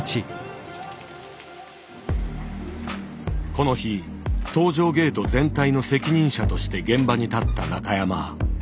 この日搭乗ゲート全体の責任者として現場に立った中山。